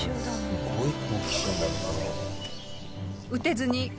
すごい好奇心だなこれは。